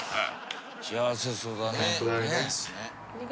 幸せそうだね。